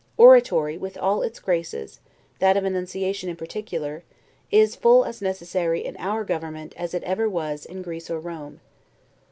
Oratory, with all its graces, that of enunciation in particular, is full as necessary in our government as it ever was in Greece or Rome.